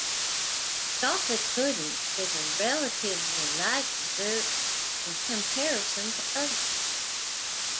Chocolate pudding is a relatively light dessert in comparison to others.